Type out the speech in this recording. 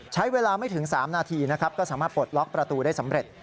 ใช้เวลาไม่ถึง๓นาทีนะครับก็สามารถปลดล็อกประตูได้สำเร็จ